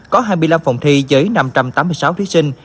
có hai mươi năm phòng thi với năm trăm tám mươi sáu thí sinh